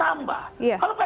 jangan ppn malah mau ditambah